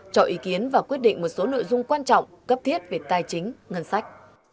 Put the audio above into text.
cho ý kiến và quyết định một số nội dung quan trọng cấp thiết về tài chính ngân sách